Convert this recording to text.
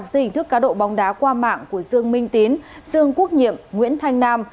dưới hình thức cá độ bóng đá qua mạng của dương minh tín dương quốc nhiệm nguyễn thanh nam